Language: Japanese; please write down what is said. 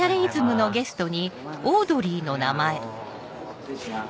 失礼します。